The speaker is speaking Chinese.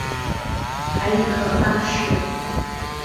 埃里克八世。